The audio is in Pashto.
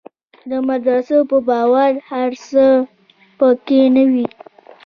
د مدرسو په باور هر څه په کې نه وي.